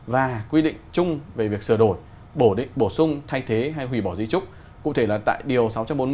và quy định chung về việc sửa đổi bổ định bổ sung thay thế hay hủy bỏ di trúc cụ thể là tại điều sáu trăm bốn mươi